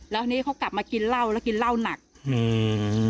แล้วทีนี้เขากลับมากินเหล้าแล้วกินเหล้าหนักอืม